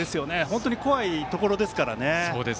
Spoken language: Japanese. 本当に怖いところですからね。